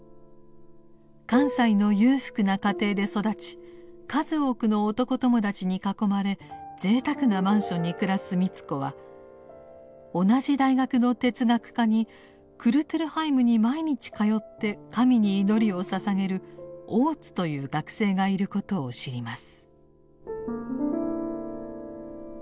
関西の裕福な家庭で育ち数多くの男友達に囲まれぜいたくなマンションに暮らす美津子は同じ大学の哲学科にクルトル・ハイムに毎日通って神に祈りをささげる「大津」という学生がいることを知ります。